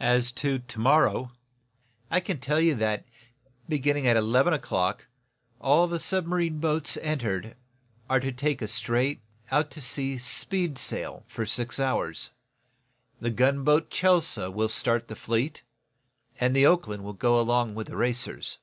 As to to morrow, I can tell you that, beginning at eleven o'clock, all the submarine boats entered are to take a straight, out to sea speed sail for six hours. The gunboat, 'Chelsea' will start the fleet, and the 'Oakland' will go along with the racers."